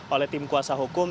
oleh tim kuasa hukum